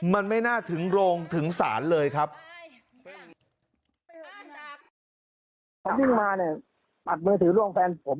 มันไม่น่าถึงโรงถึงศาลเลยครับ